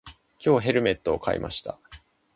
今日、ヘルメットを買いました。